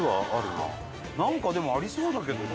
なんかでもありそうだけどな。